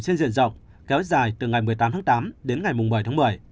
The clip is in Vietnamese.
trên diện rộng kéo dài từ ngày một mươi tám tháng tám đến ngày một mươi tháng một mươi